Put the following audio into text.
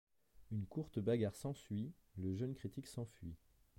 Une courte bagarre s'ensuit, le jeune critique s'enfuit.